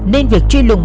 nên việc truy lùng